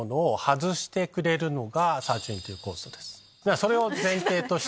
それを前提として。